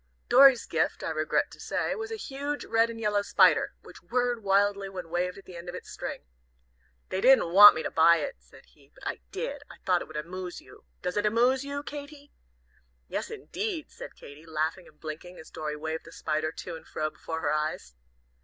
Dorry's gift, I regret to say, was a huge red and yellow spider, which whirred wildly when waved at the end of its string. "They didn't want me to buy it," said he, "but I did! I thought it would amoose you. Does it amoose you, Katy?" "Yes, indeed," said Katy, laughing and blinking as Dorry waved the spider to and fro before her eyes.